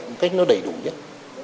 một cách nó đầy đủ nhất